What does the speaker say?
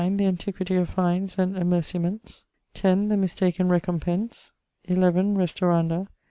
The antiquity of fines and amerciaments. 10. The mistaken recompence. 11. Restauranda.